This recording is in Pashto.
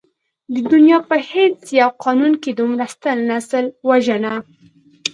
د دنيا په هېڅ يو قانون کې دومره ستر نسل وژنه.